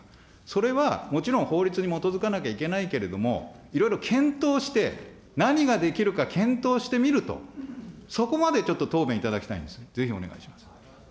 それはもちろん、法律に基づかなきゃいけないけれども、いろいろ検討して、何ができるか検討してみると、そこまでちょっと答弁いただきたいんです。